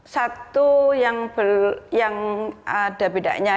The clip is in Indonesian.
satu yang ada bedanya